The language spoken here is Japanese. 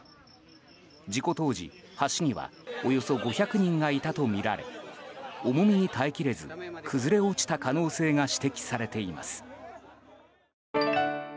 事故当時、橋にはおよそ５００人がいたとみられ重みに耐えきれず崩れ落ちた可能性が指摘されています。